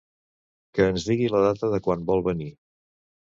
Que ens digui la data de quan vol venir.